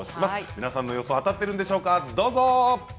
皆さんの予想は当たっているんでしょうか。